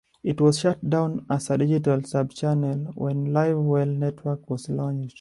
It was shut down as a digital subchannel when Live Well Network was launched.